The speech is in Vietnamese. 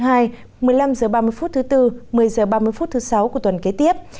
một mươi năm h ba mươi phút thứ bốn một mươi h ba mươi phút thứ sáu của tuần kế tiếp